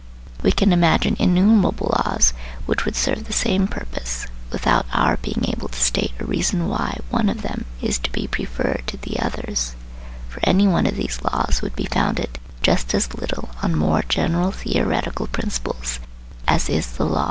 We can imagine innumerable laws which would serve the same purpose, without our being able to state a reason why one of them is to be preferred to the others ; for any one of these laws would be founded just as little on more general theoretical principles as is the law of Newton.